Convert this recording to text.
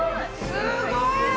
すごい！